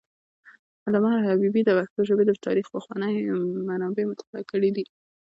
علامه حبیبي د پښتو ژبې د تاریخ پخواني منابع مطالعه کړي دي.